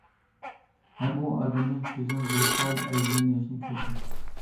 ھەم ئۇ ئادەمنىڭ كۆزىدىن غىل- پال ئەگىگەن ياشنى كۆردى.